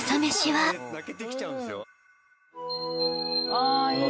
ああいい。